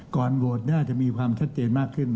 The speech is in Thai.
ก่อนโหวตน่าจะมีความชัดเจนมากขึ้น